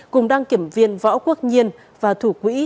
cùng đăng kiểm viên võ quốc nhiên và thủ quỹ